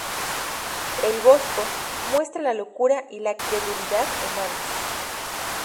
El Bosco muestra la locura y la credulidad humanas.